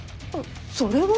それは。